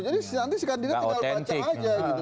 jadi nanti si kandidat tinggal baca aja